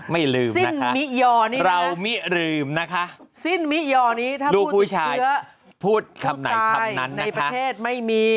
ไม่ลืมนะคะเราไม่ลืมนะคะดูผู้ชายพูดคำไหนคำนั้นนะคะ